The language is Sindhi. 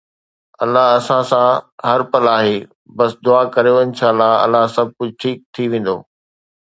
الله اسان سان هر پل آهي، بس دعا ڪريو، انشاءَ الله سڀ ڪجهه ٺيڪ ٿي ويندو